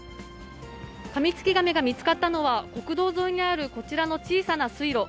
カミツキガメが見つかったのは、国道沿いにある、こちらの小さな水路。